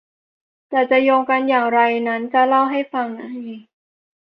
แต่จะโยงกันอย่างไรนั้นจะเล่าให้ฟังใน